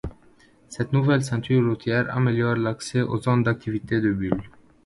Cette nouvelle ceinture routière améliore l'accès aux zones d'activités de Bulle.